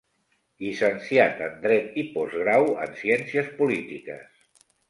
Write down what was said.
Llicenciat en Dret i postgrau en ciències polítiques.